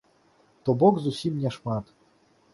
То бок зусім не шмат.